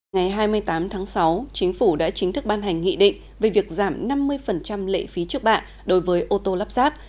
ngày hai mươi tám tháng sáu chính phủ đã chính thức ban hành nghị định về việc giảm năm mươi lệ phí trước bạ đối với ô tô lắp ráp